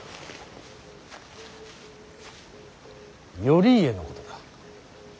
頼家のことだ。